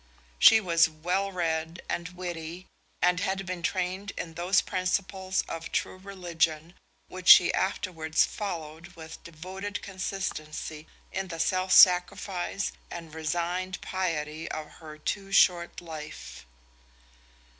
She was well read and witty, and had been trained in those principles of true religion which she afterwards followed with devoted consistency in the self sacrifice and resigned piety of her too short life.